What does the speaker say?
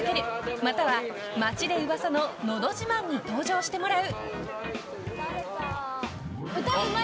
または、街で噂ののど自慢に登場してもらう。